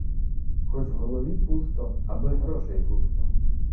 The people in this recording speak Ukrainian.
хоч в голові пусто, аби гроший густо